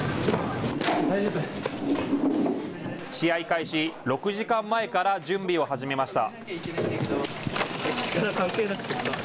試合開始６時間前から準備を始めました。